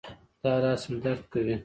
دا لاس مې درد کوي